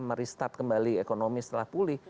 merestup kembali ekonomi setelah pulih